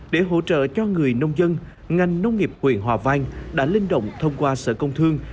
để hỗ trợ cho người nông dân ngành nông nghiệp quyện hòa vang đã linh động thông qua sở công thương